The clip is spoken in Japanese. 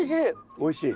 おいしい？